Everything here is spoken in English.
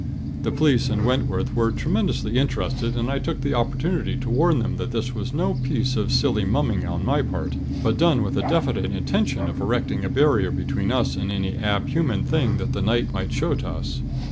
The police and Wentworth were tremendously interested, and I took the opportunity to warn them that this was no piece of silly mumming on my part; but done with a definite intention of erecting a barrier between us and any ab human thing that the night might show to us.